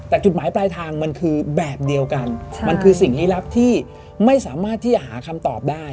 แต่จุดหมายปลายทางมันคือแบบเดียวกันมันคือสิ่งลี้ลับที่ไม่สามารถที่จะหาคำตอบได้